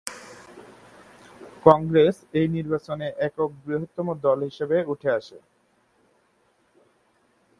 কংগ্রেস এই নির্বাচনে একক বৃহত্তম দল হিসেবে উঠে আসে।